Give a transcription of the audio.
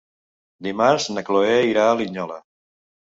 Dimarts na Chloé irà a Linyola.